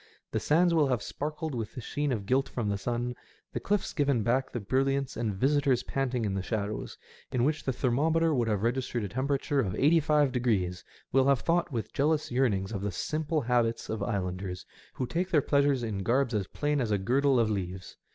The sands wiU have sparkled with the sheen of gilt from the sun, the cliffs given back the brilliance, and visitors panting in the shadows, in which the thermometer would have registered a temperature* of eighty five degrees, will have thought with jealous yearnings of the simple habits of islanders, who take their pleasures in garbs as plain as a girdle of leaves.